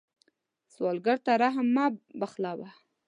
سوالګر ته رحم مه بخلوه